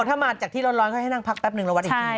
บอกถ้ามาจากที่ร้อนเขาให้นั่งพักแป๊บนึงแล้ววัดอีกที